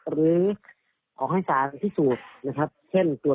หรือเอาให้สาธิตภิกษุนะครับ